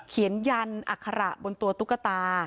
เขียนยันอัคระบนตัวตุ๊กตา